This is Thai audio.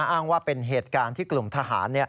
อ้างว่าเป็นเหตุการณ์ที่กลุ่มทหาร